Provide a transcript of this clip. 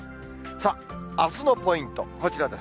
さあ、あすのポイント、こちらです。